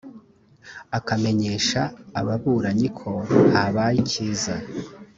akamenyesha ababuranyi ko habaye ikiza